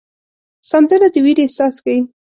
سندره د ویر احساس ښيي